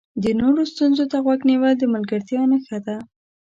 د نورو ستونزو ته غوږ نیول د ملګرتیا نښه ده.